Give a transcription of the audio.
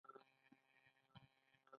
لوبسټر یا لوی چنګاښ ډیر ګران دی.